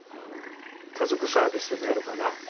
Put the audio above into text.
家族サービスでもやろかな。